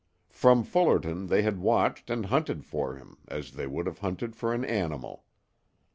From Fullerton they had watched and hunted for him as they would have hunted for an animal.